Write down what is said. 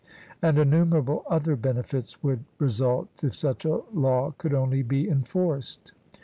And innumerable other benefits would result if such a law could only be enforced.